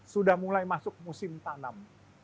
sudah mulai masuk musim tanam